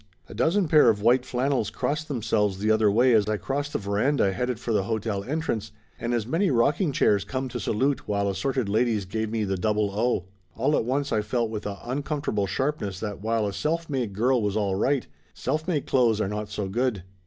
A dozen pair of white flannels crossed themselves the other way as I crossed the veranda headed for the hotel entrance, and as many rocking chairs come to salute while assorted ladies gave me the double O. All at once I felt with a uncomfortable sharpness that while a self made girl was all right, self made clothes are not so good.